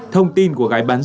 thông tin của gái bán dâm